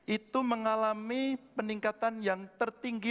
itu mengalami peningkatan yang tertinggi